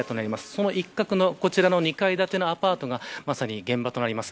その一角のこちらの２階建てのアパートがまさに現場となります。